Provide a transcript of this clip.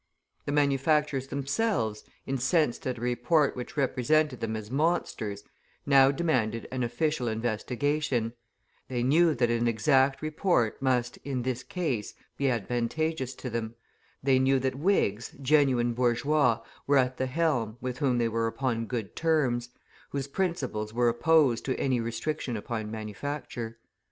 The manufacturers themselves, incensed at a report which represented them as monsters, now demanded an official investigation; they knew that an exact report must, in this case, be advantageous to them; they knew that Whigs, genuine bourgeois, were at the helm, with whom they were upon good terms, whose principles were opposed to any restriction upon manufacture.